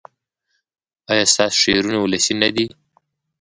ایا ستاسو شعرونه ولسي نه دي؟